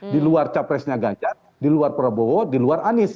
di luar capresnya ganjar di luar prabowo di luar anies